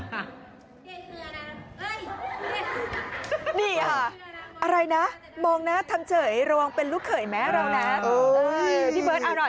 นี่เหรออะไรนะมองหน้าทำเฉยระวังเป็นลูกเขยแม้เรานะ